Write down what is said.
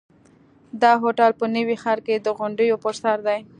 دا هوټل په نوي ښار کې د غونډیو پر سر دی.